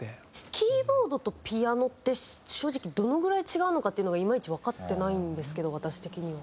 キーボードとピアノって正直どのぐらい違うのかっていうのがいまいちわかってないんですけど私的には。